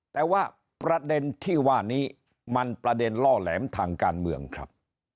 แต่ว่าประเด็นที่ว่านี้มันประเด็นล่อแหลมทางการเมืองครับ